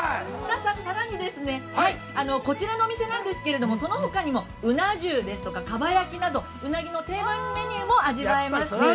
◆さあさらにですね、こちらのお店なんですけれども、そのほかにもうな重ですとか蒲焼など、うなぎの定番メニューも味わえます。